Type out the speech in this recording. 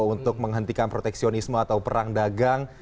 untuk menghentikan proteksionisme atau perang dagang